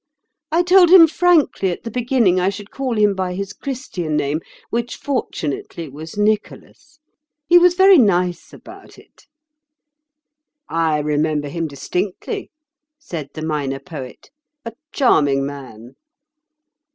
I told him frankly at the beginning I should call him by his Christian name, which fortunately was Nicholas. He was very nice about it." "I remember him distinctly," said the Minor Poet. "A charming man."